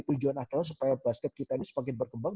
tujuan akhirnya supaya basket kita ini semakin berkembang